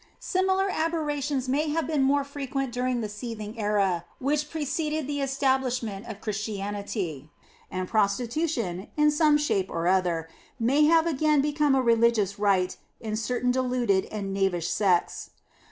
Similar aberrations may have been more frequent during the seething era which preceded the establishment of Christianity, and prostitution, in some shape or other, may have again become a religious rite in certain deluded or knavish sects.